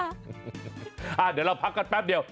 เดี๋ยวเราพักกันแป๊บเดียว